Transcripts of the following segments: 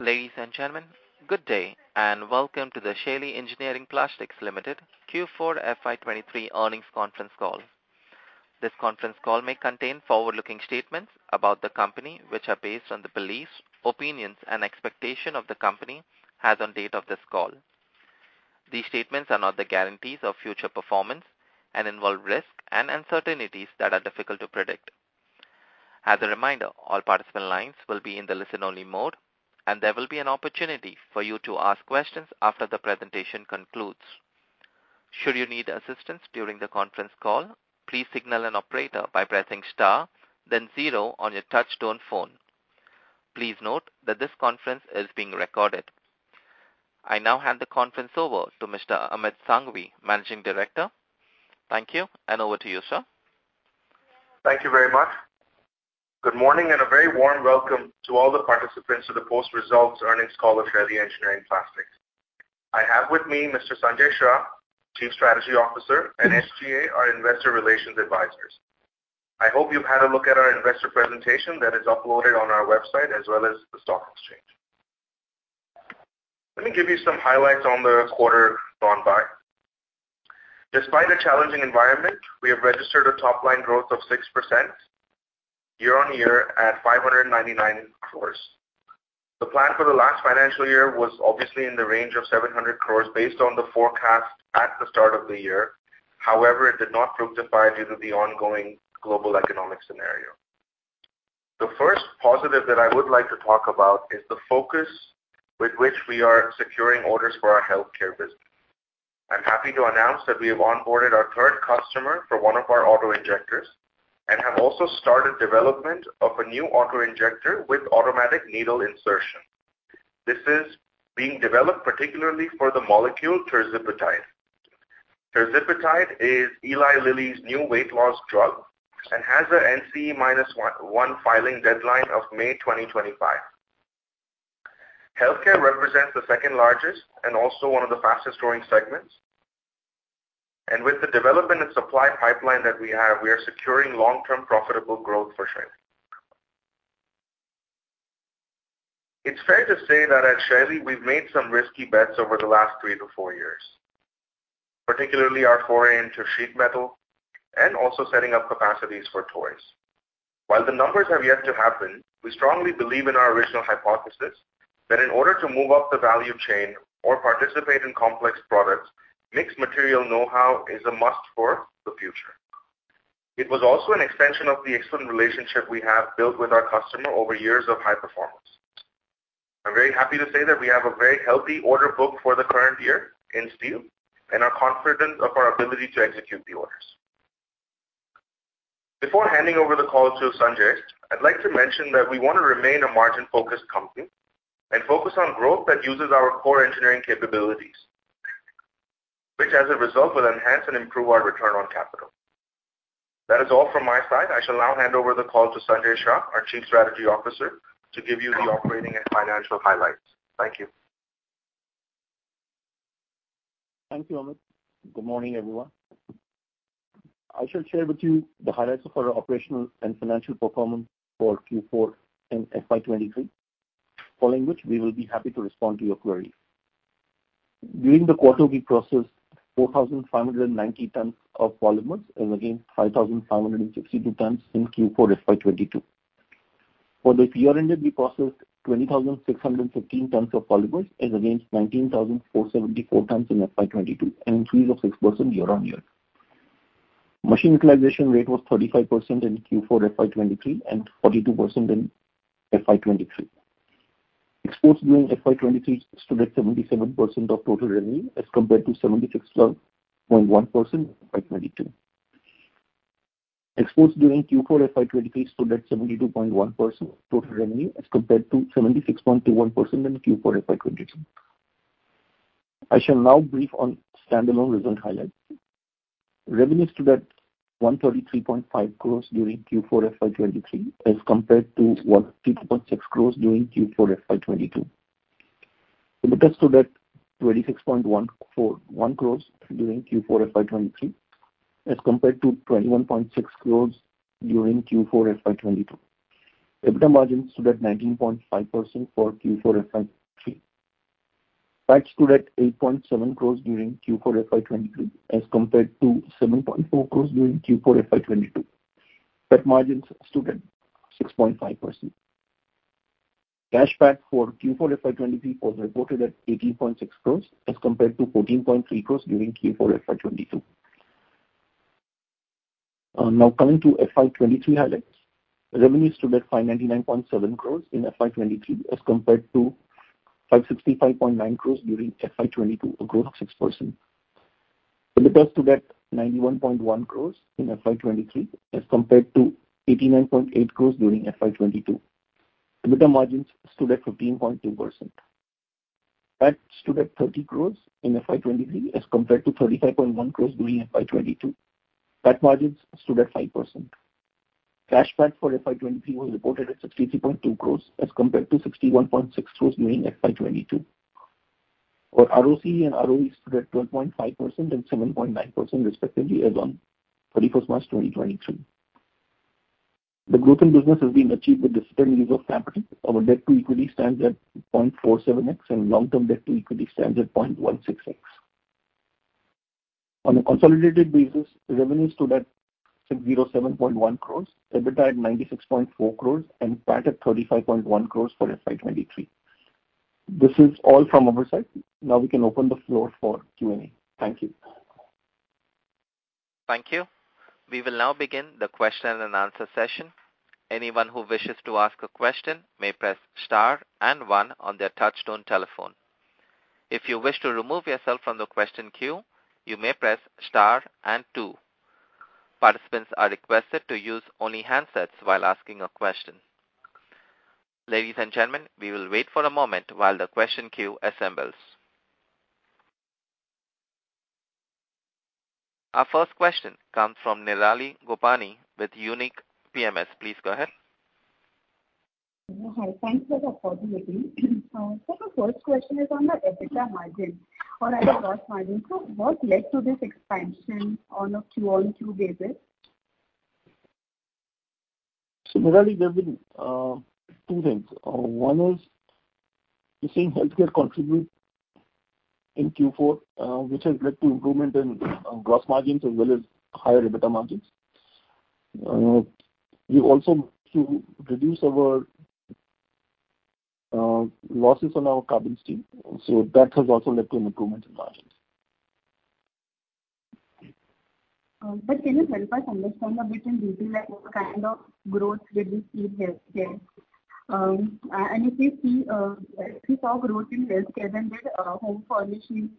Ladies and gentlemen, good day, and welcome to the Shaily Engineering Plastics Limited Q4 FY 2023 earnings conference call. This conference call may contain forward-looking statements about the company, which are based on the beliefs, opinions, and expectation of the company as on date of this call. These statements are not the guarantees of future performance and involve risks and uncertainties that are difficult to predict. As a reminder, all participant lines will be in the listen-only mode, and there will be an opportunity for you to ask questions after the presentation concludes. Should you need assistance during the conference call, please signal an operator by pressing star then zero on your touch-tone phone. Please note that this conference is being recorded. I now hand the conference over to Mr. Amit Sanghvi, Managing Director. Thank you, and over to you, sir. Thank you very much. Good morning, and a very warm welcome to all the participants to the post-results earnings call of Shaily Engineering Plastics. I have with me Mr. Sanjay Shah, Chief Strategy Officer, and SGA, our investor relations advisors. I hope you've had a look at our investor presentation that is uploaded on our website as well as the stock exchange. Let me give you some highlights on the quarter gone by. Despite a challenging environment, we have registered a top-line growth of 6% year-on-year at 599 crores. The plan for the last financial year was obviously in the range of 700 crores based on the forecast at the start of the year. It did not fructify due to the ongoing global economic scenario. The first positive that I would like to talk about is the focus with which we are securing orders for our healthcare business. I'm happy to announce that we have onboarded our third customer for one of our autoinjectors and have also started development of a new autoinjector with automatic needle insertion. This is being developed particularly for the molecule tirzepatide. Tirzepatide is Eli Lilly's new weight loss drug and has an NCE-1 filing deadline of May 2025. Healthcare represents the second largest and also one of the fastest-growing segments. With the development and supply pipeline that we have, we are securing long-term profitable growth for Shaily. It's fair to say that at Shaily, we've made some risky bets over the last three to four years, particularly our foray into sheet metal and also setting up capacities for toys. While the numbers have yet to happen, we strongly believe in our original hypothesis that in order to move up the value chain or participate in complex products, mixed material know-how is a must for the future. It was also an extension of the excellent relationship we have built with our customer over years of high performance. I'm very happy to say that we have a very healthy order book for the current year in steel and are confident of our ability to execute the orders. Before handing over the call to Sanjay, I'd like to mention that we want to remain a margin-focused company and focus on growth that uses our core engineering capabilities, which as a result will enhance and improve our return on capital. That is all from my side. I shall now hand over the call to Sanjay Shah, our Chief Strategy Officer, to give you the operating and financial highlights. Thank you. Thank you, Amit. Good morning, everyone. I shall share with you the highlights of our operational and financial performance for Q4 and FY 2023, following which we will be happy to respond to your queries. During the quarter, we processed 4,590 tons of polymers as against 5,562 tons in Q4 FY 2022. For the year ended, we processed 20,615 tons of polymers as against 19,474 tons in FY 2022, an increase of 6% year-on-year. Machine utilization rate was 35% in Q4 FY 2023 and 42% in FY 2023. Exports during FY 2023 stood at 77% of total revenue as compared to 76.1% in FY 2022. Exports during Q4 FY 2023 stood at 72.1% of total revenue as compared to 76.21% in Q4 FY 2022. I shall now brief on standalone result highlights. Revenue stood at 133.5 crore during Q4 FY 2023 as compared to 115.6 crore during Q4 FY 2022. EBITDA stood at 26.14 crore during Q4 FY 2023 as compared to 21.6 crore during Q4 FY 2022. EBITDA margins stood at 19.5% for Q4 FY 2023. PAT stood at 8.7 crore during Q4 FY 2023 as compared to 7.4 crore during Q4 FY 2022. PAT margins stood at 6.5%. Cash PAT for Q4 FY 2023 was reported at 18.6 crore as compared to 14.3 crore during Q4 FY 2022. Coming to FY 2023 highlights. Revenue stood at 599.7 crore in FY 2023 as compared to 565.9 crore during FY 2022, a growth of 6%. EBITDA stood at 91.1 crore in FY 2023 as compared to 89.8 crore during FY 2022. EBITDA margins stood at 15.2%. PAT stood at 30 crore in FY 2023 as compared to 35.1 crore during FY 2022. PAT margins stood at 5%. Cash PAT for FY 2023 was reported at 63.2 crore as compared to 61.6 crore during FY 2022. Our ROCE and ROE stood at 12.5% and 7.9% respectively as on 31st March 2023. The growth in business has been achieved with disciplined use of capital. Our debt to equity stands at 0.47x and long-term debt to equity stands at 0.16x. On a consolidated basis, revenue stood at 607.1 crore, EBITDA at 96.4 crore and PAT at 35.1 crore for FY 2023. This is all from our side. We can open the floor for Q&A. Thank you. Thank you. We will now begin the question and answer session. Anyone who wishes to ask a question may press star 1 on their touchtone telephone. If you wish to remove yourself from the question queue, you may press star 2. Participants are requested to use only handsets while asking a question. Ladies and gentlemen, we will wait for a moment while the question queue assembles. Our first question comes from Nirali Gopani with Unique PMS. Please go ahead. Hi. Thanks for the opportunity. Sir, the first question is on the EBITDA margin or gross margin. What led to this expansion on a QoQ basis? Nirali, there have been two things. One is, you're seeing healthcare contribute in Q4, which has led to improvement in gross margins as well as higher EBITDA margins. We've also looked to reduce our losses on our carbon steel, so that has also led to an improvement in margins. Can you help us understand a bit in detail what kind of growth did we see here? If we saw growth in healthcare, did home furnishing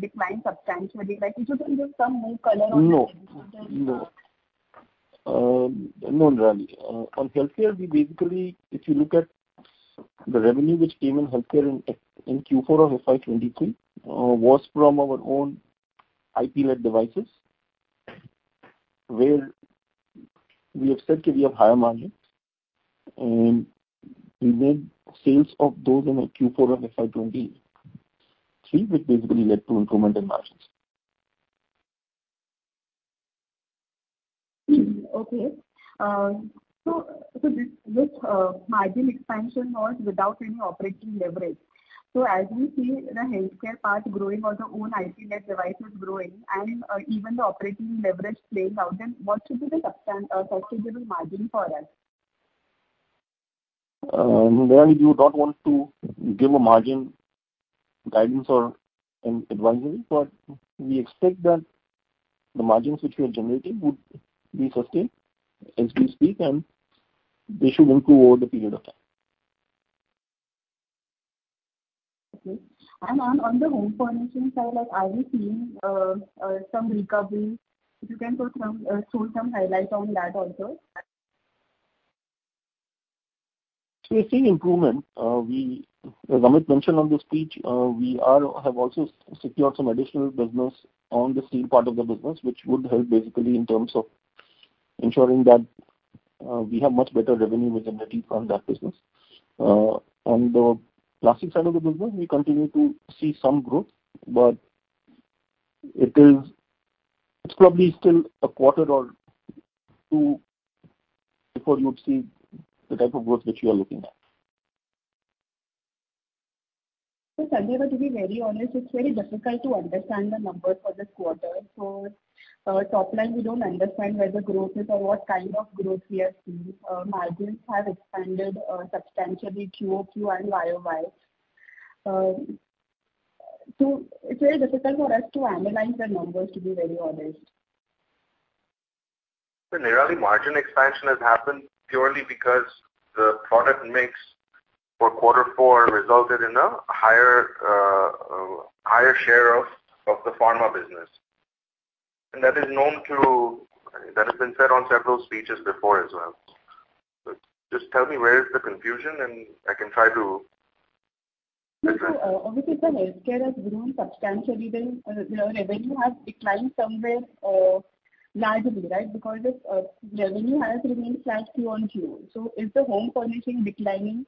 decline substantially? Could you please give some more color on that? No, Nirali. On healthcare, if you look at the revenue which came in healthcare in Q4 of FY 2023, was from our own IP-led devices, where we have said that we have higher margins, and we made sales of those in Q4 of FY 2023, which basically led to improvement in margins. Okay. This margin expansion was without any operating leverage. As we see the healthcare part growing or the own IP-led devices growing and even the operating leverage playing out, then what should be the sustainable margin for us? Nirali, we would not want to give a margin guidance or an advisory. We expect that the margins which we are generating would be sustained as we speak, they should improve over the period of time. Okay. On the home furnishing side, are you seeing some recovery? If you can throw some highlights on that also. We are seeing improvement. As Amit mentioned on the speech, we have also secured some additional business on the steel part of the business, which would help basically in terms of ensuring that we have much better revenue visibility from that business. On the plastic side of the business, we continue to see some growth, but it's probably still a quarter or two before you would see the type of growth that you are looking at. Sanjay, to be very honest, it's very difficult to understand the numbers for this quarter. For top line, we don't understand where the growth is or what kind of growth we are seeing. Margins have expanded substantially QoQ and YoY. It's very difficult for us to analyze the numbers, to be very honest. Nirali, margin expansion has happened purely because the product mix for quarter four resulted in a higher share of the pharma business. That has been said on several speeches before as well. Just tell me where is the confusion, and I can try to address that. No. Amit, the healthcare has grown substantially. The revenue has declined somewhere largely, right? Because revenue has remained flat QoQ. Is the home furnishing declining?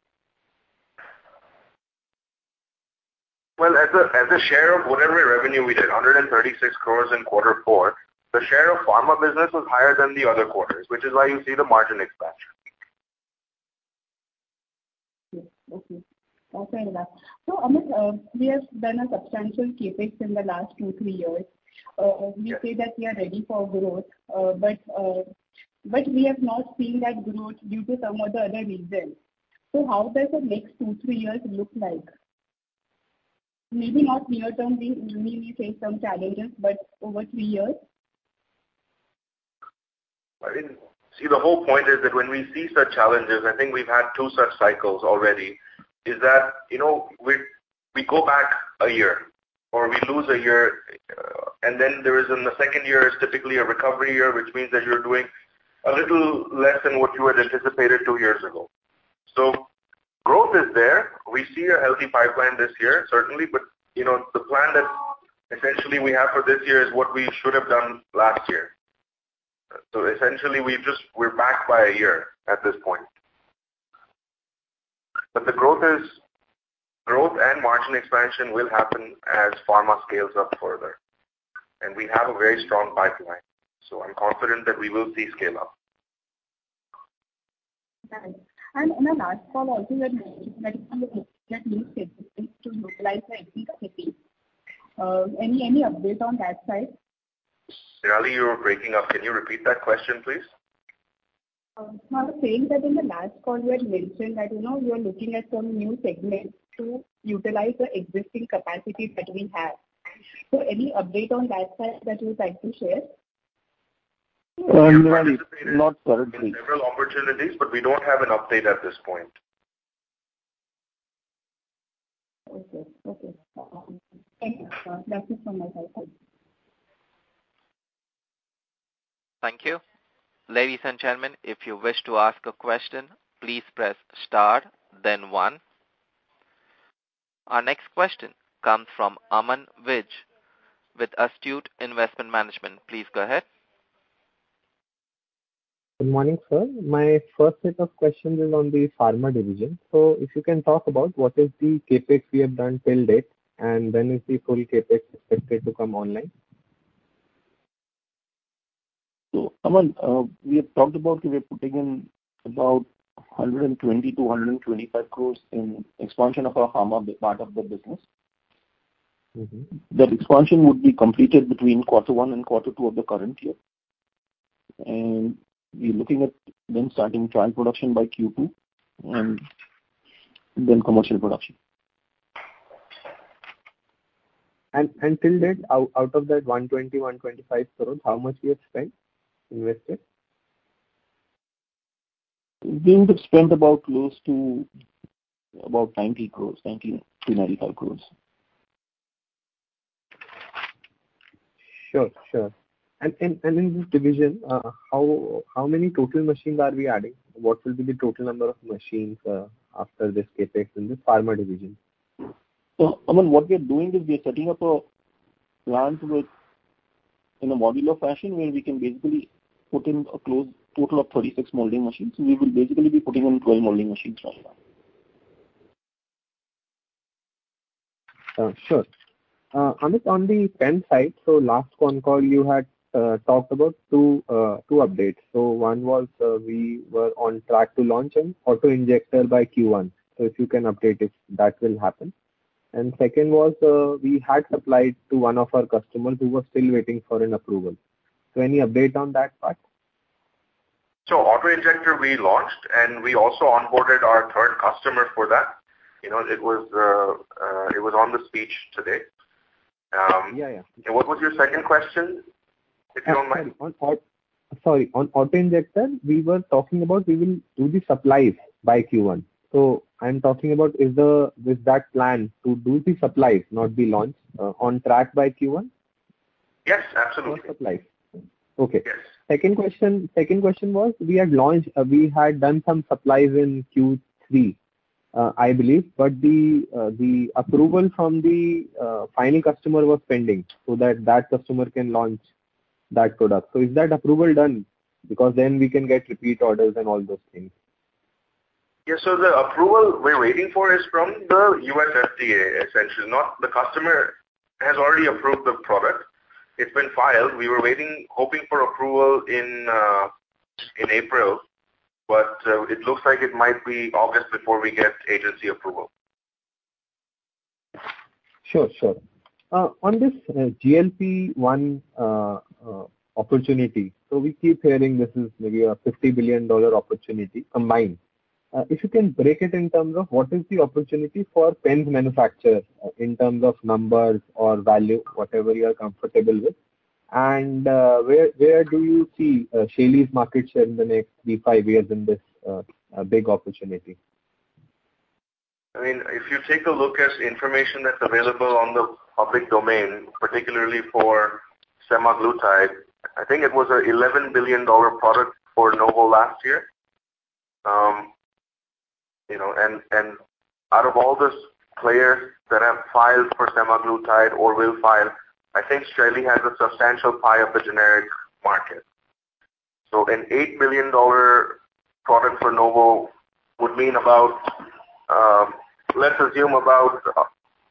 Well, as a share of whatever revenue we did, 136 crores in quarter four, the share of pharma business was higher than the other quarters, which is why you see the margin expansion. Amit, we have done a substantial CapEx in the last two, three years. We say that we are ready for growth, but we have not seen that growth due to some or the other reason. How does the next two, three years look like? Maybe not near term, we may face some challenges, but over three years? The whole point is that when we see such challenges, I think we've had two such cycles already, is that we go back a year or we lose a year, the second year is typically a recovery year, which means that you're doing a little less than what you had anticipated two years ago. Growth is there. We see a healthy pipeline this year, certainly. The plan that essentially we have for this year is what we should have done last year. Essentially, we're back by a year at this point. The growth and margin expansion will happen as pharma scales up further. We have a very strong pipeline, I'm confident that we will see scale up. Right. On the last call also you had mentioned to utilize the existing capacity. Any update on that side? Nirali, you're breaking up. Can you repeat that question, please? I was saying that in the last call you had mentioned that you are looking at some new segments to utilize the existing capacities that we have. Any update on that side that you'd like to share? We participated. Not currently. in several opportunities, we don't have an update at this point. Okay. Thank you, sir. That was all my questions. Thank you. Ladies and gentlemen, if you wish to ask a question, please press star then one. Our next question comes from Aman Vij with Astute Investment Management. Please go ahead. Good morning, sir. My first set of questions is on the pharma division. If you can talk about what is the CapEx we have done till date, and when is the full CapEx expected to come online. Aman, we have talked about, we are putting in about 120 to 125 crores in expansion of our pharma part of the business. That expansion would be completed between quarter one and quarter two of the current year. We're looking at then starting trial production by Q2, and then commercial production. Till date, out of that 120, 125 crores, how much we have spent, invested? We would have spent about close to 90 crores, 90 to 95 crores. Sure. In this division, how many total machines are we adding? What will be the total number of machines after this CapEx in the pharma division? Aman, what we are doing is we are setting up a plant in a modular fashion where we can basically put in a close total of 36 molding machines. We will basically be putting in 12 molding machines right now. Sure. Amit, on the pen side, last con call you had talked about two updates. One was we were on track to launch an autoinjector by Q1, if you can update if that will happen. Second was, we had supplied to one of our customers who was still waiting for an approval. Any update on that part? Autoinjector we launched, we also onboarded our third customer for that. It was on the speech today. Yeah. What was your second question, if you don't mind? Sorry. On autoinjector, we were talking about we will do the supplies by Q1. I'm talking about is that plan to do the supplies, not the launch, on track by Q1? Yes, absolutely. For supplies. Okay. Yes. Second question was, we had done some supplies in Q3, I believe, but the approval from the final customer was pending so that customer can launch that product. Is that approval done? Then we can get repeat orders and all those things. The approval we're waiting for is from the U.S. FDA, essentially. The customer has already approved the product. It's been filed. We were waiting, hoping for approval in April. It looks like it might be August before we get agency approval. Sure. On this GLP-1 opportunity, we keep hearing this is maybe a $50 billion opportunity combined. If you can break it in terms of what is the opportunity for pens manufacturer in terms of numbers or value, whatever you're comfortable with. Where do you see Shaily's market share in the next three, five years in this big opportunity? If you take a look at information that's available on the public domain, particularly for semaglutide, I think it was an $11 billion product for Novo last year. Out of all the players that have filed for semaglutide or will file, I think Shaily has a substantial pie of the generic market. An $8 billion product for Novo would mean about, let's assume about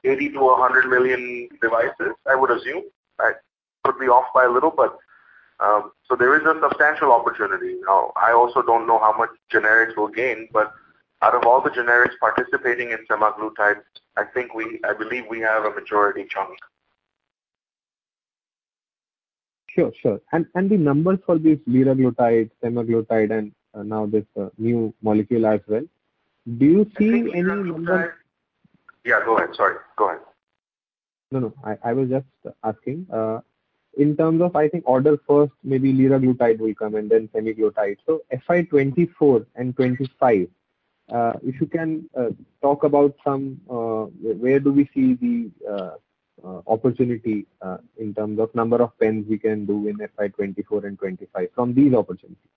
80 million-100 million devices, I would assume. I could be off by a little. There is a substantial opportunity. I also don't know how much generics will gain, out of all the generics participating in semaglutide, I believe we have a majority chunk. Sure. The numbers for this liraglutide, semaglutide, and now this new molecule as well, do you see any numbers? Yeah, go ahead. Sorry. Go ahead. No, I was just asking. In terms of, I think order first, maybe liraglutide will come and then semaglutide. FY 2024 and 2025, if you can talk about where do we see the opportunity in terms of number of pens we can do in FY 2024 and 2025 from these opportunities.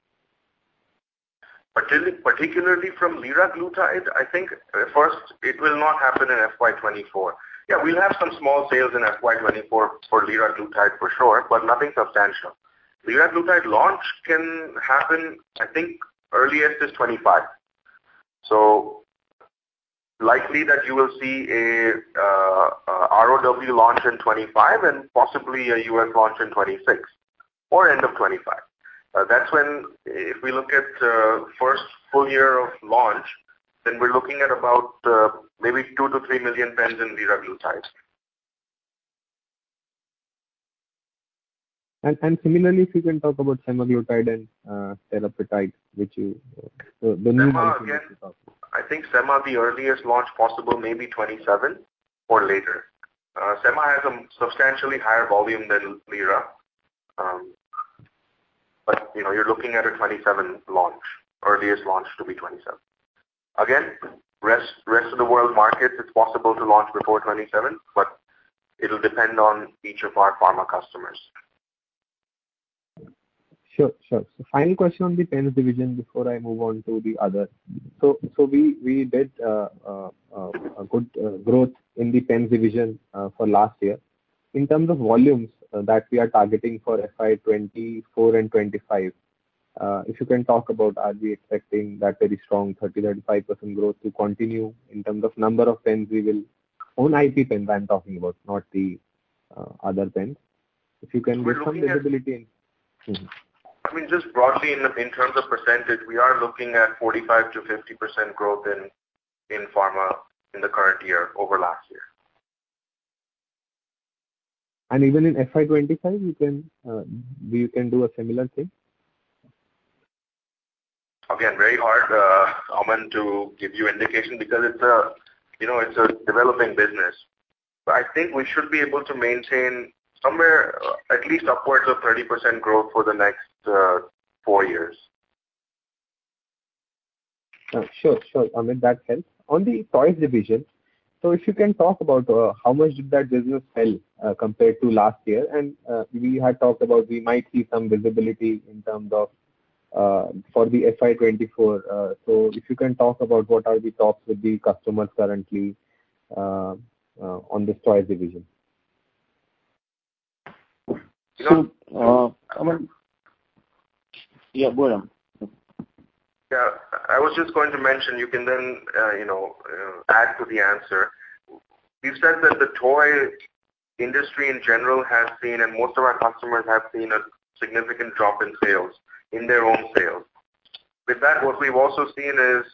Particularly from liraglutide, I think it will not happen in FY 2024. Yeah, we will have some small sales in FY 2024 for liraglutide for sure, but nothing substantial. Liraglutide launch can happen, I think earliest is 2025. Likely that you will see a ROW launch in 2025 and possibly a U.S. launch in 2026 or end of 2025. That is when, if we look at first full year of launch, then we are looking at about maybe 2 million pens-3 million pens in liraglutide. similarly, if you can talk about semaglutide and tirzepatide. Sema, again, I think sema the earliest launch possible may be 2027 or later. Sema has a substantially higher volume than lira. You are looking at a 2027 launch. Earliest launch to be 2027. Again, rest of the world markets, it is possible to launch before 2027, but it will depend on each of our pharma customers. Sure. Final question on the Pens division before I move on to the other. We did a good growth in the Pens division for last year. In terms of volumes that we are targeting for FY 2024 and 2025, if you can talk about are we expecting that very strong 30%-35% growth to continue in terms of number of pens we will Own IP pens I am talking about, not the other pens. If you can give some visibility. I mean, just broadly in terms of percentage, we are looking at 45%-50% growth in pharma in the current year over last year. Even in FY 2025, we can do a similar thing? Very hard, Aman, to give you indication because it's a developing business. I think we should be able to maintain somewhere at least upwards of 30% growth for the next four years. Sure. I mean, that helps. On the Toys division, if you can talk about how much did that business sell compared to last year, and we had talked about we might see some visibility in terms of for the FY 2024. If you can talk about what are the talks with the customers currently on the Toys division. Aman. Yeah, go ahead. Yeah, I was just going to mention, you can then add to the answer. We've said that the toy industry in general has seen, and most of our customers have seen, a significant drop in sales, in their own sales. With that, what we've also seen is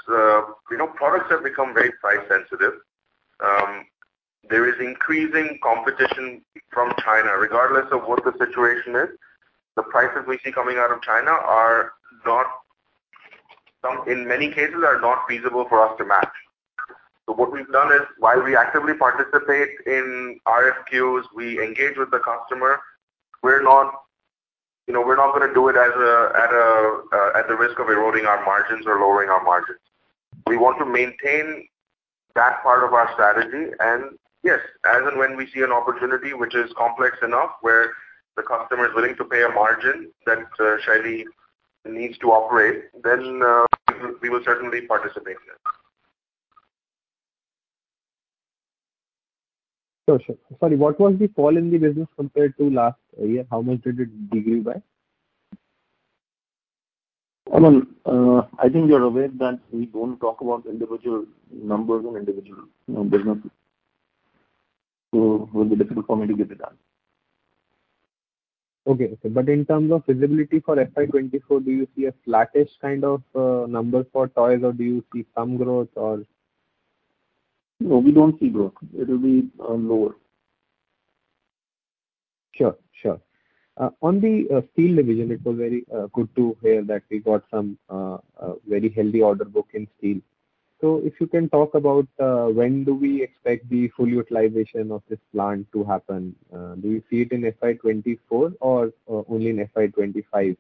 products have become very price sensitive. There is increasing competition from China. Regardless of what the situation is, the prices we see coming out of China, in many cases, are not feasible for us to match. What we've done is, while we actively participate in RFQs, we engage with the customer, we're not going to do it at the risk of eroding our margins or lowering our margins. We want to maintain that part of our strategy. Yes, as and when we see an opportunity which is complex enough where the customer is willing to pay a margin that Shaily needs to operate, then we will certainly participate in it. Sure. Sorry, what was the fall in the business compared to last year? How much did it decrease by? Aman, I think you're aware that we don't talk about individual numbers in individual business. It would be difficult for me to give that. Okay. In terms of visibility for FY 2024, do you see a flattish kind of number for toys or do you see some growth or? No, we don't see growth. It will be lower. Sure. On the Steel division, it was very good to hear that we got some very healthy order book in steel. If you can talk about when do we expect the full utilization of this plant to happen? Do you see it in FY 2024 or only in FY 2025?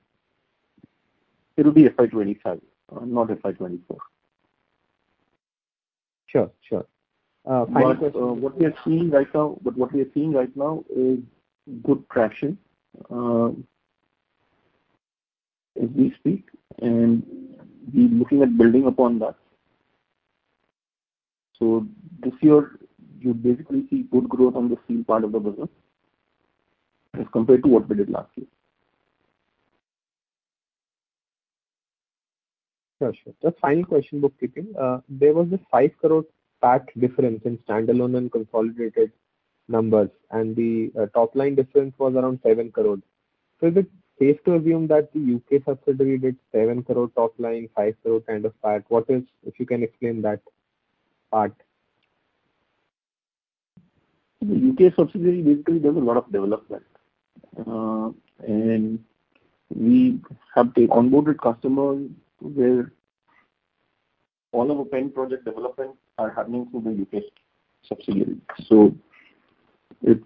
It will be FY 2025, not FY 2024. Sure. What we are seeing right now is good traction, as we speak, and we're looking at building upon that. This year, you basically see good growth on the Steel part of the business as compared to what we did last year. Sure. Just final question, bookkeeping. There was a 5 crore PAT difference in standalone and consolidated numbers, and the top line difference was around 7 crore. Is it safe to assume that the U.K. subsidiary did 7 crore top line, 5 crore kind of PAT? If you can explain that part. The U.K. subsidiary basically does a lot of development. We have onboarded customers where all of our pen project developments are happening through the U.K. subsidiary. It's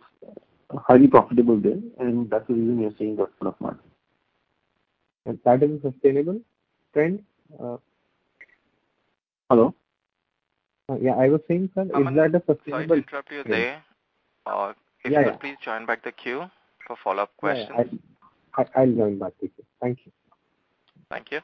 highly profitable there, and that's the reason you're seeing that sort of margin. That is a sustainable trend? Hello? Yeah, I was saying, sir, is that a sustainable- Aman, sorry to interrupt you there. Yeah. If you could please join back the queue for follow-up questions. Yeah, I'll join back the queue. Thank you. Thank you.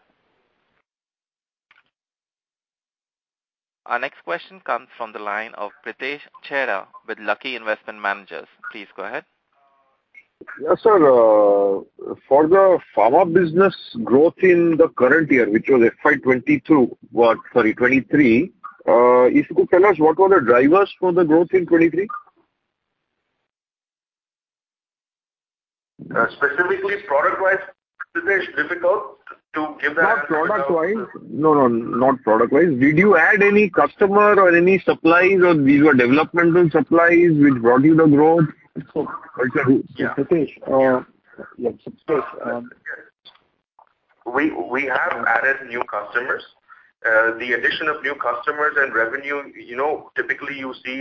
Our next question comes from the line of Pritesh Chheda with Lucky Investment Managers. Please go ahead. Yes, sir. For the pharma business growth in the current year, which was FY 2023, if you could tell us what were the drivers for the growth in 2023? Specifically product-wise, Pritesh, difficult to give that. Not product-wise. No, not product-wise. Did you add any customer or any supplies, or these were developmental supplies which brought you the growth? Pritesh. Yes, of course. We have added new customers. The addition of new customers and revenue, typically you see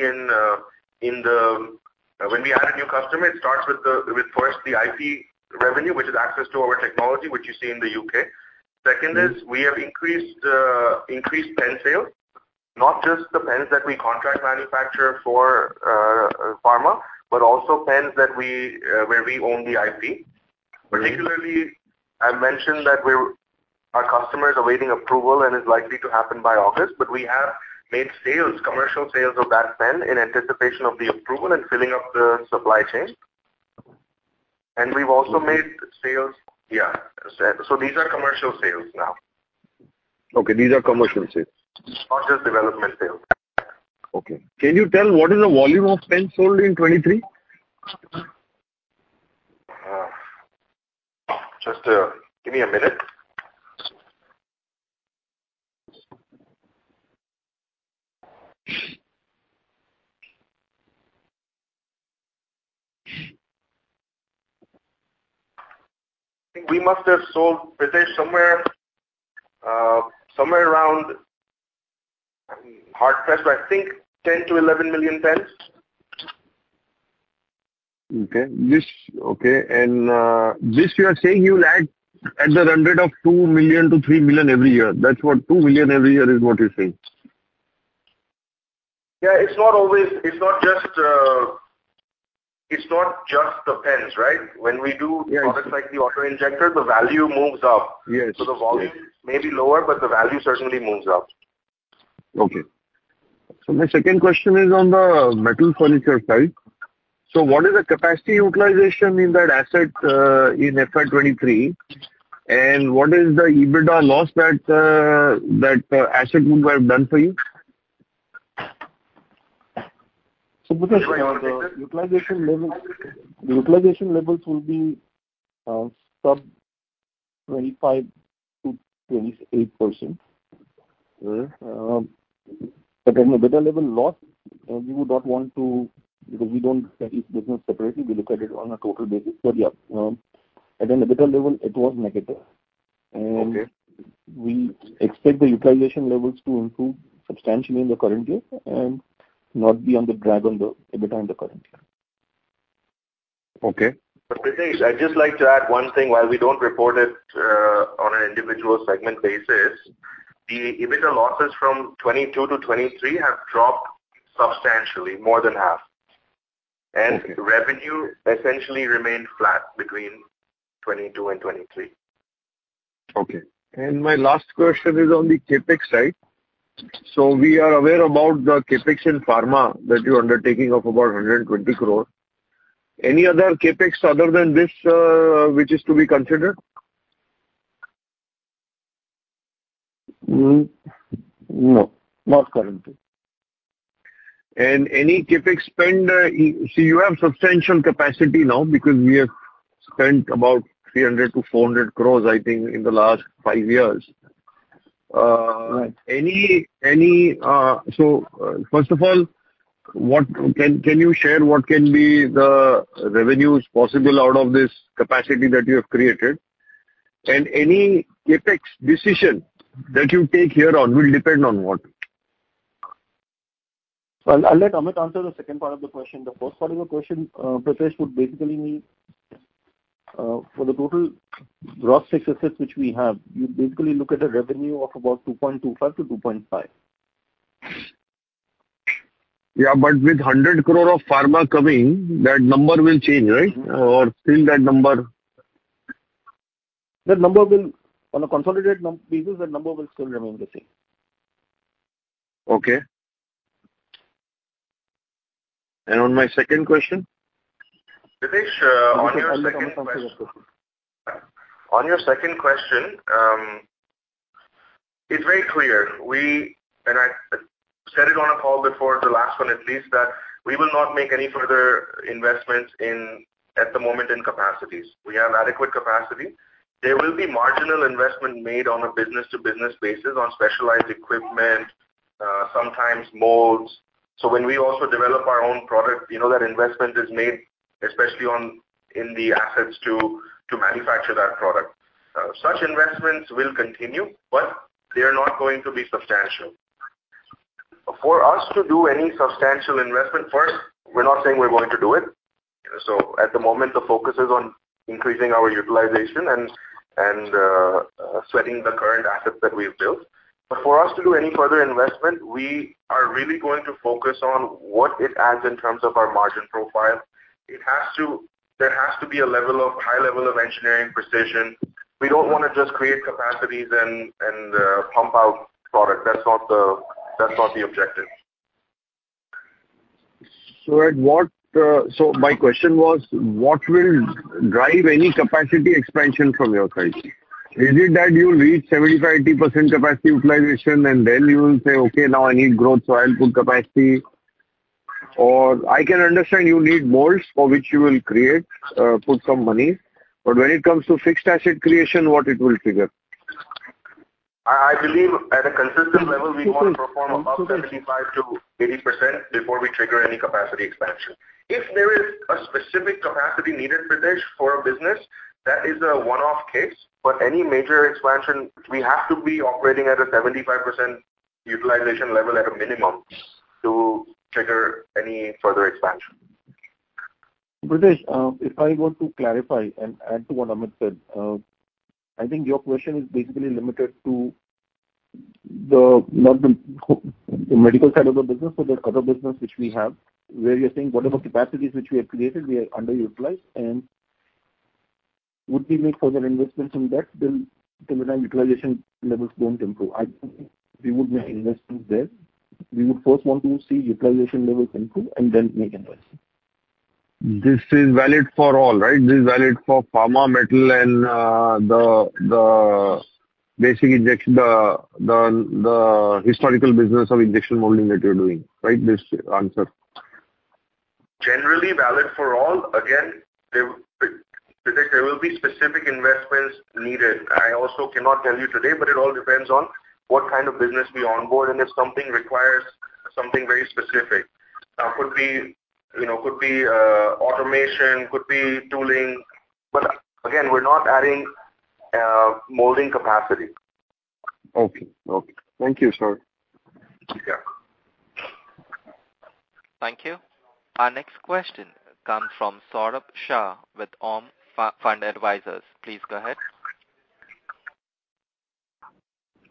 when we add a new customer, it starts with first the IP revenue, which is access to our technology, which you see in the U.K. Second is we have increased pen sales. Not just the pens that we contract manufacture for pharma, but also pens where we own the IP. Particularly, I mentioned that our customer is awaiting approval and is likely to happen by August, but we have made commercial sales of that pen in anticipation of the approval and filling up the supply chain. We've also made sales. These are commercial sales now. Okay. These are commercial sales. Not just development sales. Okay. Can you tell what is the volume of pens sold in 2023? Just give me a minute. I think we must have sold, Pritesh, somewhere around, hard pressed, but I think 10 to 11 million pens. This you are saying you will add at the run rate of two million to three million every year. Two million every year is what you're saying. It's not just the pens, right? When we Yes products like the autoinjector, the value moves up. Yes. The volume may be lower, but the value certainly moves up. Okay. My second question is on the metal furniture side. What is the capacity utilization in that asset, in FY 2023, and what is the EBITDA loss that asset would have done for you? Pritesh Utilization level the utilization levels will be sub 25%-28%. At an EBITDA level loss, we would not want to, because we don't set each business separately. We look at it on a total basis. Yeah, at an EBITDA level, it was negative. Okay. We expect the utilization levels to improve substantially in the current year and not be on the drag on the EBITDA in the current year. Okay. Pritesh, I'd just like to add one thing. While we don't report it on an individual segment basis, the EBITDA losses from 2022 to 2023 have dropped substantially, more than half. Revenue essentially remained flat between 2022 and 2023. Okay. My last question is on the CapEx side. We are aware about the CapEx in pharma that you're undertaking of about 120 crore. Any other CapEx other than this, which is to be considered? No, not currently. You have substantial capacity now because we have spent about 300 crore to 400 crore, I think, in the last five years. First of all, can you share what can be the revenues possible out of this capacity that you have created? Any CapEx decision that you take hereon will depend on what? I'll let Amit answer the second part of the question. The first part of your question, Pritesh, would basically mean for the total gross fixed assets which we have, you basically look at a revenue of about 2.25 to 2.5. With 100 crore of pharma coming, that number will change, right, or still that number? On a consolidated basis, that number will still remain the same. Okay. On my second question? Pritesh, on your second question, it's very clear. I said it on a call before the last one at least, that we will not make any further investments at the moment in capacities. We have adequate capacity. There will be marginal investment made on a business-to-business basis on specialized equipment, sometimes molds. When we also develop our own product, that investment is made especially in the assets to manufacture that product. Such investments will continue, but they are not going to be substantial. For us to do any substantial investment first, we're not saying we're going to do it. At the moment, the focus is on increasing our utilization and sweating the current assets that we've built. For us to do any further investment, we are really going to focus on what it adds in terms of our margin profile. There has to be a high level of engineering precision. We don't want to just create capacities and pump out product. That's not the objective. My question was, what will drive any capacity expansion from your side? Is it that you'll reach 75%-80% capacity utilization and then you will say, "Okay, now I need growth, so I'll put capacity"? I can understand you need molds for which you will create, put some money. But when it comes to fixed asset creation, what it will trigger? I believe at a consistent level we want to perform above 75%-80% before we trigger any capacity expansion. If there is a specific capacity needed, Pritesh, for a business, that is a one-off case. Any major expansion, we have to be operating at a 75% utilization level at a minimum to trigger any further expansion. Pritesh, if I were to clarify and add to what Amit said, I think your question is basically limited to not the medical side of the business, so there are other business which we have, where you're saying whatever capacities which we have created, we are underutilized, and would we make further investments in that till the time utilization levels don't improve? I think we would make investments there. We would first want to see utilization levels improve and then make investments. This is valid for all, right? This is valid for pharma, metal, and the historical business of injection molding that you're doing. Right? This answer. Generally valid for all. Pritesh, there will be specific investments needed. I also cannot tell you today, but it all depends on what kind of business we onboard and if something requires something very specific. Could be automation, could be tooling. Again, we're not adding molding capacity. Okay. Thank you, sir. Yeah. Thank you. Our next question comes from Saurabh Shah with Aum Fund Advisors. Please go ahead.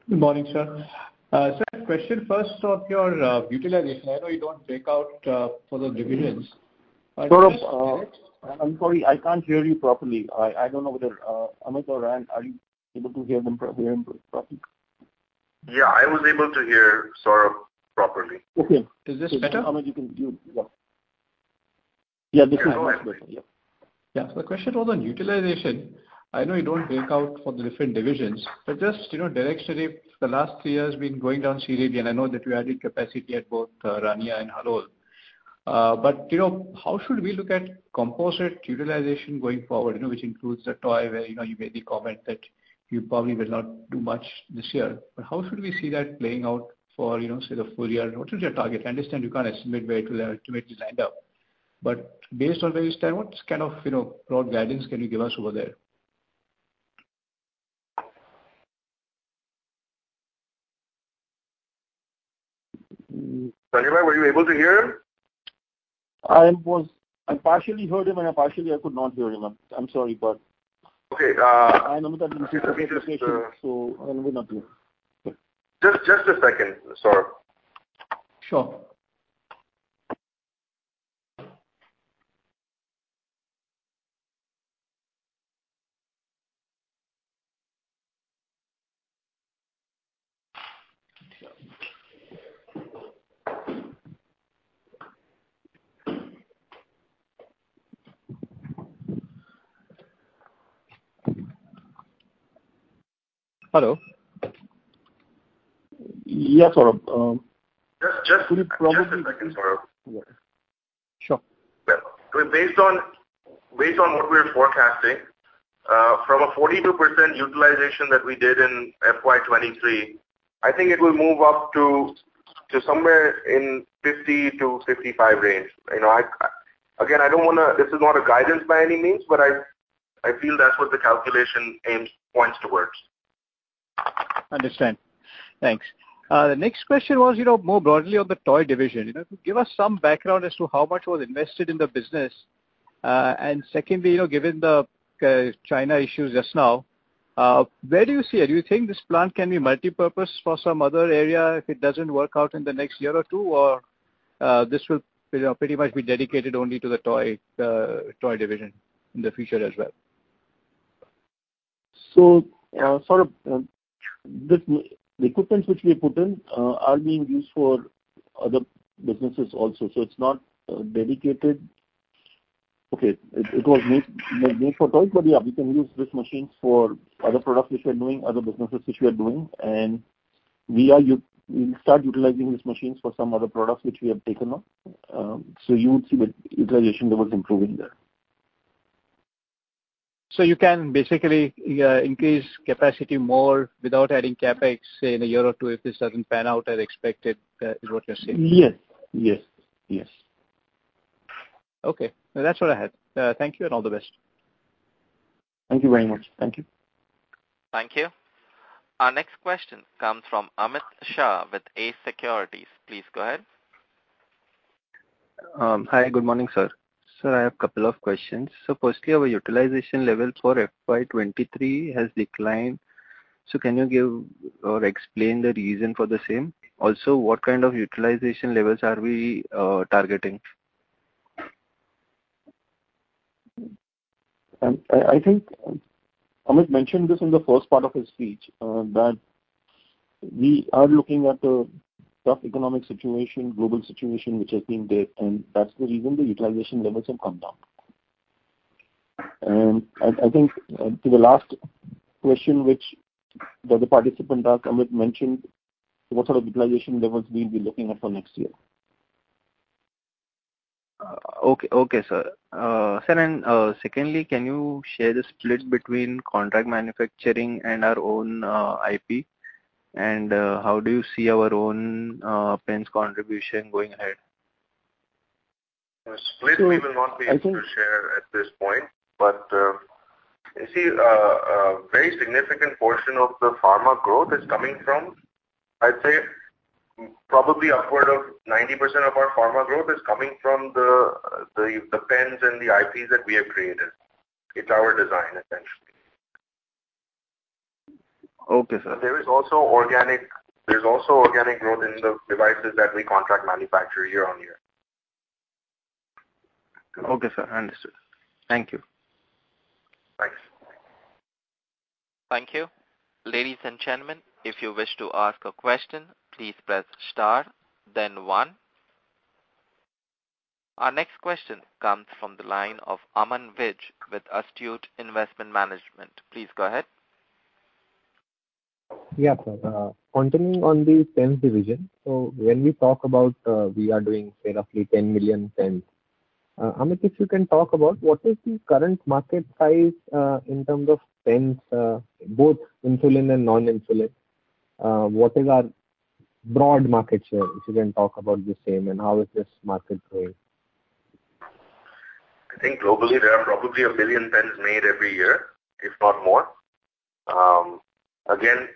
Good morning, sir. Sir, question first on your utilization. I know you don't break out for the divisions. Saurabh, I'm sorry, I can't hear you properly. I don't know whether, Amit or Ryan, are you able to hear him properly? Yeah, I was able to hear Saurabh properly. Okay. Is this better? Yeah, this is much better. Yeah. Yeah. Yeah. The question was on utilization. I know you don't break out for the different divisions, just directionally, the last three years been going down seriously, and I know that you added capacity at both Rania and Halol. How should we look at composite utilization going forward, which includes the toy, where you made the comment that you probably will not do much this year. How should we see that playing out for say the full year, and what is your target? I understand you can't estimate where it will ultimately land up, based on where you stand, what kind of broad guidance can you give us over there? Sanjay, were you able to hear him? I partially heard him, partially I could not hear him. I'm sorry. Okay. I know that you said I will not hear. Just a second, Saurabh. Sure. Hello. Yeah, Saurabh. Just- Could you probably- Just a second, Saurabh. Sure. Based on what we're forecasting, from a 42% utilization that we did in FY 2023, I think it will move up to somewhere in 50%-55% range. Again, this is not a guidance by any means, but I feel that's what the calculation aims, points towards. Understand. Thanks. The next question was more broadly on the toy division. Could give us some background as to how much was invested in the business, and secondly, given the China issues just now, where do you see it? Do you think this plant can be multipurpose for some other area if it doesn't work out in the next year or two, or this will pretty much be dedicated only to the toy division in the future as well? Saurabh, the equipment which we put in are being used for other businesses also. It's not dedicated. Okay. It was made for toys, but yeah, we can use these machines for other products which we are doing, other businesses which we are doing, and we will start utilizing these machines for some other products which we have taken on. You would see the utilization levels improving there. You can basically increase capacity more without adding CapEx, say, in a year or two if this doesn't pan out as expected, is what you're saying? Yes. Okay. That's all I had. Thank you, and all the best. Thank you very much. Thank you. Thank you. Our next question comes from Amit Shah with ACE Securities. Please go ahead. Hi, good morning, sir. Sir, I have a couple of questions. Firstly, our utilization level for FY 2023 has declined. Can you give or explain the reason for the same? Also, what kind of utilization levels are we targeting? I think Amit mentioned this in the first part of his speech, that we are looking at a tough economic situation, global situation, which has been there, and that's the reason the utilization levels have come down. I think to the last question, which the other participant asked, Amit mentioned what sort of utilization levels we'll be looking at for next year. Okay, sir. Sir, secondly, can you share the split between contract manufacturing and our own IP? How do you see our own pens contribution going ahead? Split, we will not be able to share at this point. You see, a very significant portion of the pharma growth is coming from, I'd say, probably upward of 90% of our pharma growth is coming from the pens and the IPs that we have created. It's our design, essentially. Okay, sir. There's also organic growth in the devices that we contract manufacture year on year. Okay, sir. Understood. Thank you. Thanks. Thank you. Ladies and gentlemen, if you wish to ask a question, please press star then one. Our next question comes from the line of Aman Vij with Astute Investment Management. Please go ahead. Yeah, sir. Continuing on the pens division. When we talk about we are doing, say, roughly 10 million pens, Amit, if you can talk about what is the current market size in terms of pens, both insulin and non-insulin. What is our broad market share, if you can talk about the same, and how is this market growing? I think globally, there are probably a billion pens made every year, if not more. Again,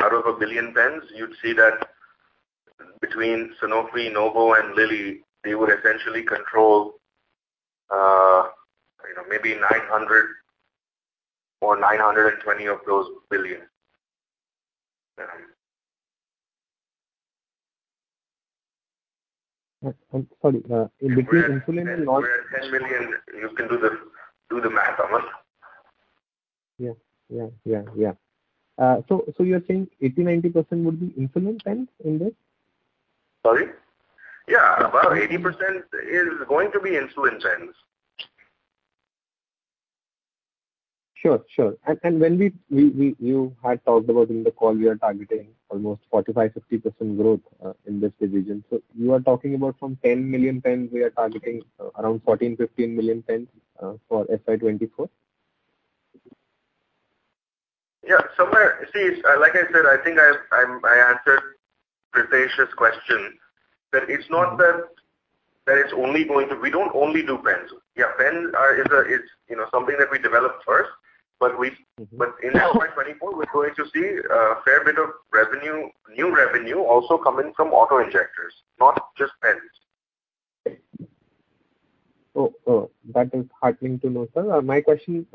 out of a billion pens, you'd see that between Sanofi, Novo, and Lilly, they would essentially control maybe 900 or 920 of those billion. Sorry. In between insulin and non-insulin? We are 10 million. You can do the math, Aman. Yeah. You're saying 80%-90% would be insulin pens in this? Sorry. Yeah. Above 80% is going to be insulin pens. Sure. You had talked about in the call, you are targeting almost 45%-50% growth in this division. You are talking about from 10 million pens, we are targeting around 14-15 million pens for FY 2024? Yeah. Like I said, I think I answered Pritesh's question, that we don't only do pens. Pens is something that we developed first. In FY 2024, we're going to see a fair bit of new revenue also coming from autoinjectors, not just pens. Okay. That is heartening to know, sir. My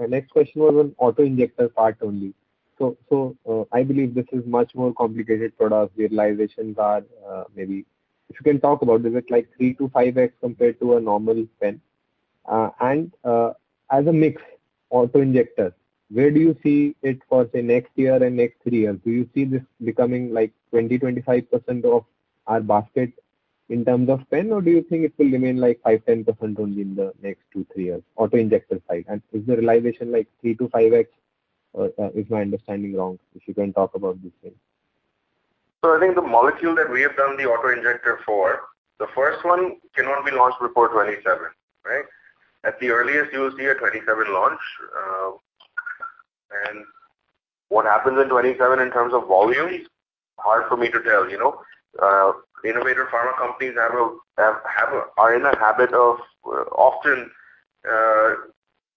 next question was on autoinjector part only. I believe this is much more complicated product, the realizations are maybe If you can talk about, is it 3-5x compared to a normal pen? As a mix, autoinjectors, where do you see it for, say, next year and next three years? Do you see this becoming 20%-25% of our basket in terms of pen, or do you think it will remain 5%-10% only in the next two, three years? Autoinjector side. Is the realization 3-5x or is my understanding wrong? If you can talk about this thing. I think the molecule that we have done the autoinjector for, the first one cannot be launched before 2027. At the earliest, you'll see a 2027 launch. What happens in 2027 in terms of volume, hard for me to tell. Innovator pharma companies are in a habit of often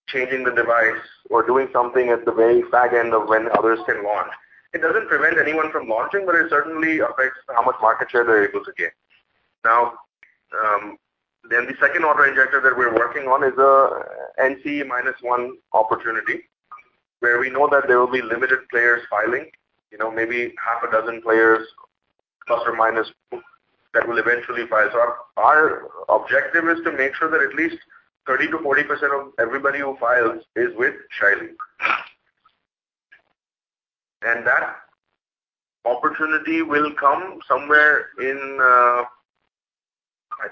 changing the device or doing something at the very fag end of when others can launch. It doesn't prevent anyone from launching, but it certainly affects how much market share they're able to gain. The second autoinjector that we're working on is a NCE-1 opportunity, where we know that there will be limited players filing. Maybe half a dozen players, plus or minus, that will eventually file. Our objective is to make sure that at least 30%-40% of everybody who files is with Shaily. That opportunity will come somewhere in, I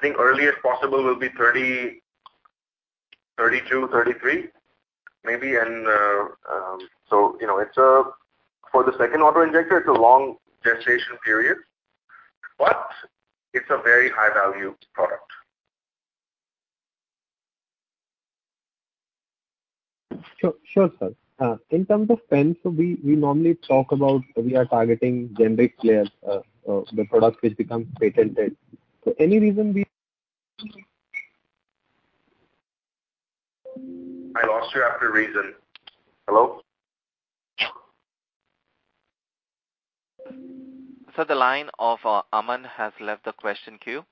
think earliest possible will be 2032, 2033 maybe. For the second autoinjector, it's a long gestation period, but it's a very high-value product. Sure, sir. In terms of pens, we normally talk about we are targeting generic players or the product which becomes patented. Any reason we- I lost you after reason. Hello? The line of Aman has left the question queue.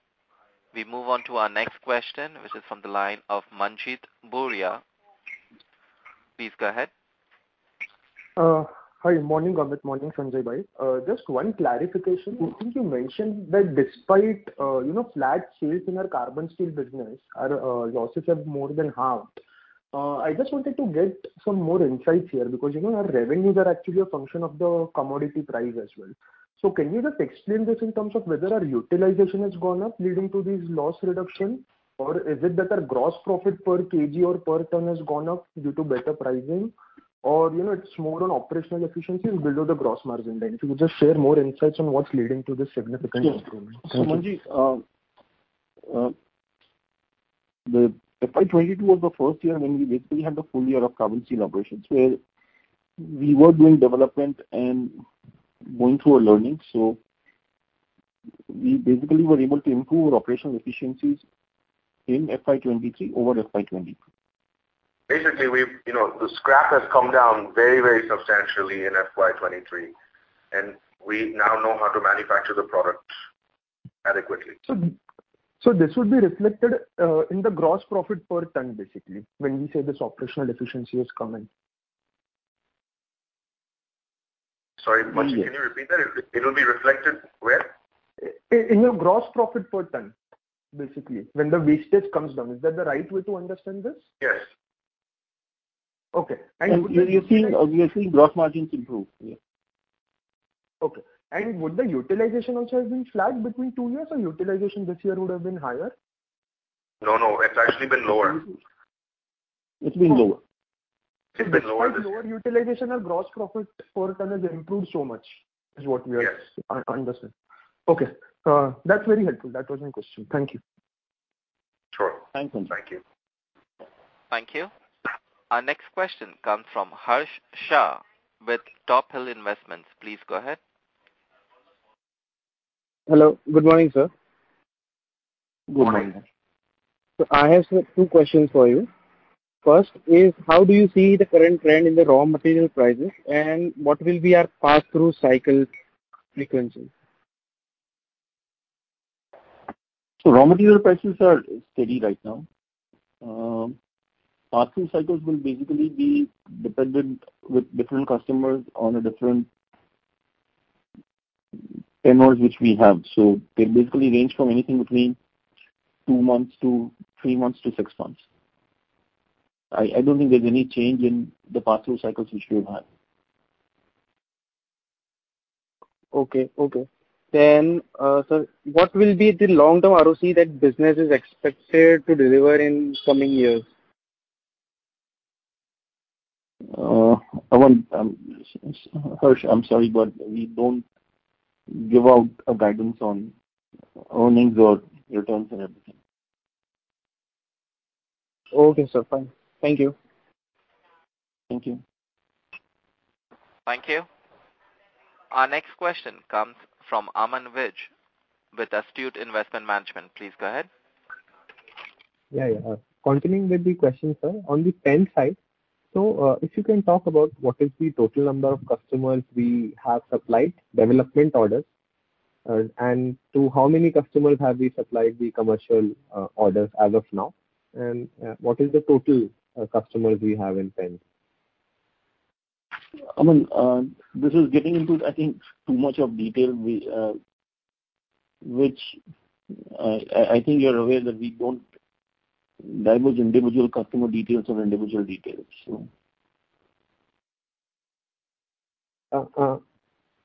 We move on to our next question, which is from the line of Manjeet Buria. Please go ahead. Hi. Morning, Amit. Morning, Sanjay Bhai. Just one clarification. You mentioned that despite flat sales in our carbon steel business, our losses have more than halved. I just wanted to get some more insights here because our revenues are actually a function of the commodity price as well. Can you just explain this in terms of whether our utilization has gone up leading to this loss reduction? Or is it that our gross profit per kg or per ton has gone up due to better pricing? Or it's more on operational efficiencies below the gross margin then. If you could just share more insights on what's leading to this significant improvement. Yes. Manjeet, the FY 2022 was the first year when we basically had the full year of carbon steel operations, where we were doing development and going through our learning. We basically were able to improve our operational efficiencies in FY 2023 over FY 2022. The scrap has come down very substantially in FY 2023, and we now know how to manufacture the product adequately. This would be reflected in the gross profit per ton, basically, when we say this operational efficiency has come in. Sorry, Manjeet, can you repeat that? It will be reflected where? In your gross profit per ton when the wastage comes down. Is that the right way to understand this? Yes. Okay. You're seeing, obviously, gross margins improve. Yeah. Okay. Would the utilization also have been flat between two years, or utilization this year would have been higher? No, it's actually been lower. It's been lower. It's been lower this year. Lower utilization and gross profit per ton has improved so much. Yes understanding. Okay. That's very helpful. That was my question. Thank you. Sure. Thanks, Manjeet. Thank you. Thank you. Our next question comes from Harsh Shah with Tophill Investments. Please go ahead. Hello. Good morning, sir. Good morning. I have two questions for you. First is, how do you see the current trend in the raw material prices and what will be our pass-through cycle frequency? Raw material prices are steady right now. Pass-through cycles will basically be dependent with different customers on a different tenures which we have. They basically range from anything between two months to three months to six months. I don't think there's any change in the pass-through cycles which we have. Okay. Sir, what will be the long-term ROC that business is expected to deliver in coming years? Harsh, I'm sorry, we don't give out a guidance on earnings or returns and everything. Okay, sir. Fine. Thank you. Thank you. Thank you. Our next question comes from Aman Vij with Astute Investment Management. Please go ahead. Yeah. Continuing with the question, sir. On the Pen side, if you can talk about what is the total number of customers we have supplied development orders, and to how many customers have we supplied the commercial orders as of now, and what is the total customers we have in Pen? Aman, this is getting into, I think, too much of detail, which I think you're aware that we don't divulge individual customer details or individual details.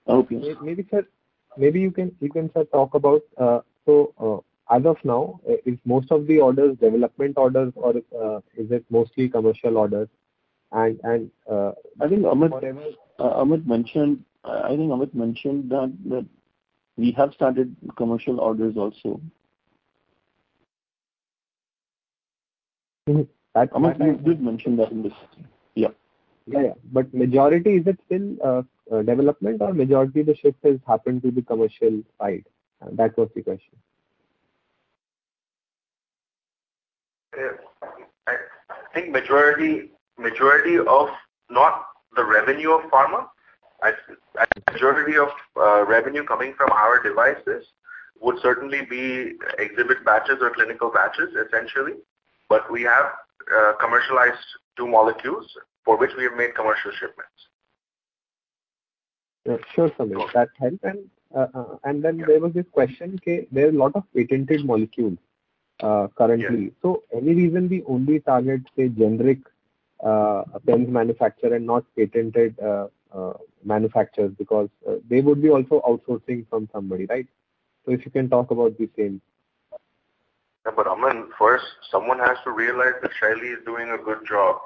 Okay. Maybe you can, sir, talk about, as of now, is most of the orders development orders or is it mostly commercial orders? I think Amit mentioned that we have started commercial orders also. Amit, you did mention that in this. Yeah. Yeah. Majority, is it still development or majority the shift has happened to the commercial side? That was the question. I think majority of not the revenue of pharma. I think majority of revenue coming from our devices would certainly exhibit batches or clinical batches, essentially. We have commercialized two molecules for which we have made commercial shipments. Sure, Amit. That helps there was this question, there are a lot of patented molecules currently. Yeah. Any reason we only target, say, generic pen manufacturer and not patented manufacturers? Because they would be also outsourcing from somebody, right? If you can talk about the same. Aman, first, someone has to realize that Shaily is doing a good job.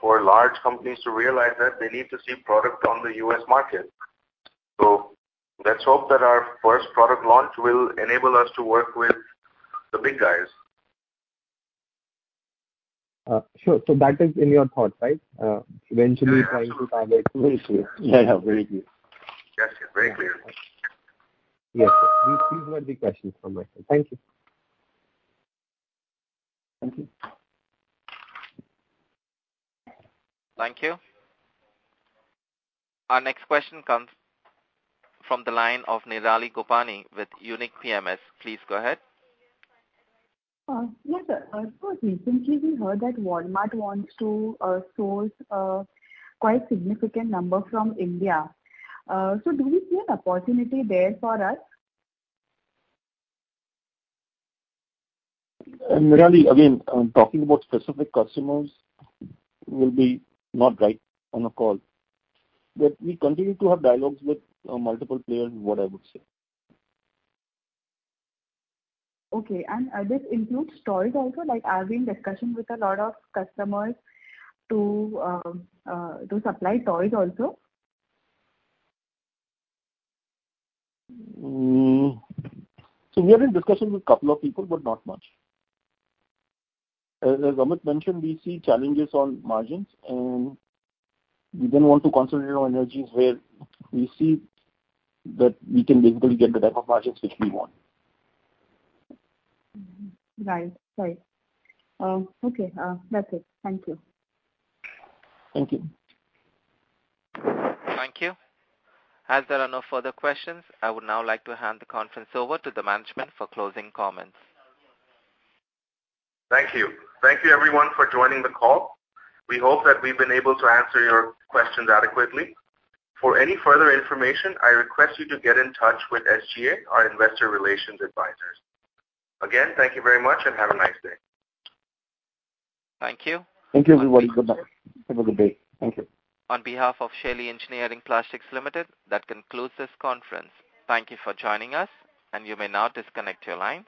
For large companies to realize that, they need to see product on the U.S. market. Let's hope that our first product launch will enable us to work with the big guys. Sure. That is in your thought, right? Eventually trying to target. Very clear. Very clear. Yes. Very clear. Yes. These were the questions from my side. Thank you. Thank you. Thank you. Our next question comes from the line of Nirali Gopani with Unique PMS. Please go ahead. Yes, sir. Of course, recently we heard that Walmart wants to source a quite significant number from India. Do we see an opportunity there for us? Nirali, again, talking about specific customers will be not right on a call. We continue to have dialogues with multiple players is what I would say. Okay. This includes toys also, like having discussions with a lot of customers to supply toys also? We are in discussions with a couple of people, but not much. As Amit mentioned, we see challenges on margins, and we then want to concentrate our energies where we see that we can basically get the type of margins which we want. Right. Sorry. Okay. That's it. Thank you. Thank you. Thank you. As there are no further questions, I would now like to hand the conference over to the management for closing comments. Thank you. Thank you everyone for joining the call. We hope that we've been able to answer your questions adequately. For any further information, I request you to get in touch with SGA, our investor relations advisors. Again, thank you very much and have a nice day. Thank you. Thank you, everybody. Goodbye. Have a good day. Thank you. On behalf of Shaily Engineering Plastics Limited, that concludes this conference. Thank you for joining us, and you may now disconnect your line.